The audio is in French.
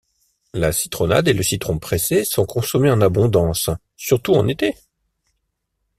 La citronnade et le citron pressé sont consommés en abondance, surtout en été.